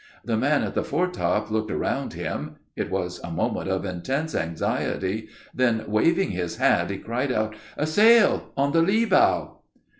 The man at the foretop looked around him; it was a moment of intense anxiety; then waving his hat, he cried out, "A sail, on the lee bow!"